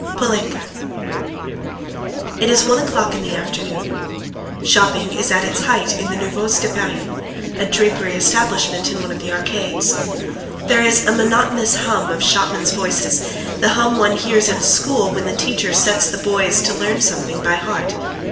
POLINKA IT is one o'clock in the afternoon. Shopping is at its height at the "Nouveauté's de Paris," a drapery establishment in one of the Arcades. There is a monotonous hum of shopmen's voices, the hum one hears at school when the teacher sets the boys to learn something by heart.